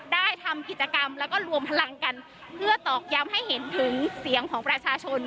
ได้ทำกิจกรรมแล้วก็รวมพลังกันเพื่อตอกย้ำให้เห็นถึงเสียงของประชาชน